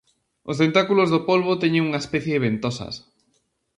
Os tentáculos do polbo teñen unha especie de ventosas.